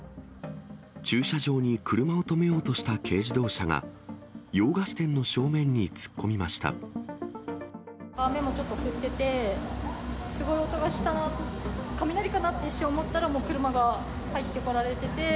駐車場に車を止めようとした軽自動車が、雨もちょっと降ってて、すごい音がしたな、雷かなって一瞬思ったら、もう車が入ってこられてて。